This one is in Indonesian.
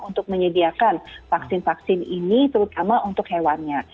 untuk menyediakan vaksin vaksin ini terutama untuk hewannya